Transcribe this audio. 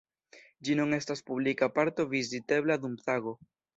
Ĝi nun estas publika parko vizitebla dum tago.